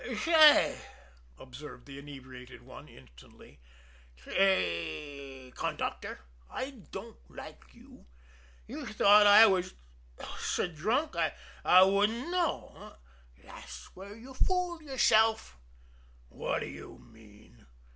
"Shay," observed the inebriated one insolently, "shay, conductor, I don't like you. You thought I was hic! s'drunk I wouldn't know eh? Thash where you fooled yerself!" "What do you mean?"